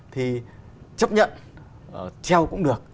thì chấp nhận treo cũng được